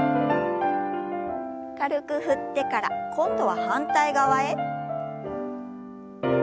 軽く振ってから今度は反対側へ。